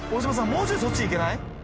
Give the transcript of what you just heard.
もうちょいそっち行けない？